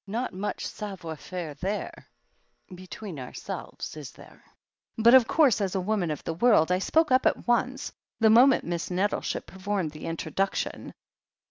Not much savoir faire there, between ourselves, is there ? But, of course, as a woman of the world, I spoke up at once, the moment Miss Nettleship performed the introduc tion.